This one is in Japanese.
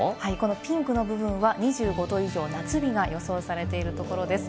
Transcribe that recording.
ピンクは２５度以上の夏日が予想されているところです。